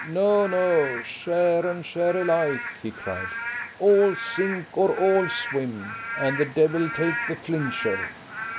"No, no, share and share alike," he cried. "All sink or all swim, and the devil take the flincher."